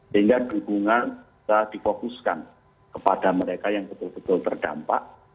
sehingga dukungan bisa difokuskan kepada mereka yang betul betul terdampak